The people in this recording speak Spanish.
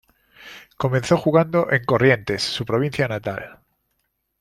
Comenzó jugando en Corrientes, su provincia natal.